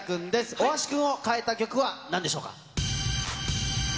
大橋君を変えた曲は何でしょうか。